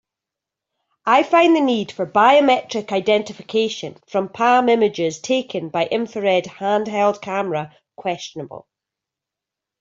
I find the need for biometric identification from palm images taken by infrared handheld camera questionable.